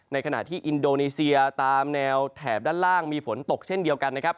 ขณะที่อินโดนีเซียตามแนวแถบด้านล่างมีฝนตกเช่นเดียวกันนะครับ